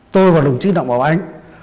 tôi và đồng chí động bảo anh